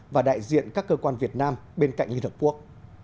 và đại diện các cơ quan việt nam bên cạnh liên hợp quốc